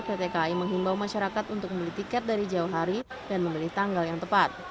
pt kai menghimbau masyarakat untuk membeli tiket dari jauh hari dan membeli tanggal yang tepat